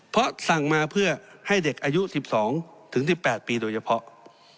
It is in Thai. เพราะสั่งมาเพื่อให้เด็กอายุ๑๒ถึง๑๘ปีโดยเฉพาะ